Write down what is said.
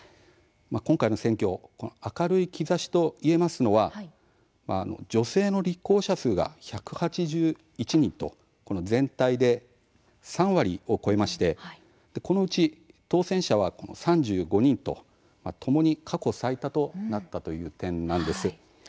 今回の選挙明るい兆しといえますのは女性の立候補者数が１８１人と全体で３割を超えましてこのうち当選者は３５人とともに過去最多となったという点なんです。